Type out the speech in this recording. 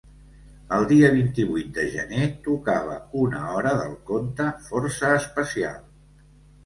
El dia vint-i-vuit de gener, tocava una hora del conte força especial.